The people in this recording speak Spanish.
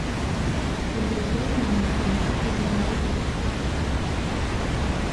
El Doctor Manuel Aparicio fue nombrado su rector.